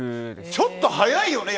ちょっと早いよね